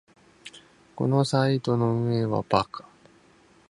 このサイトの運営はバカ